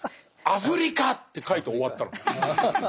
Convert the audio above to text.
「アフリカ！！」って書いて終わったの。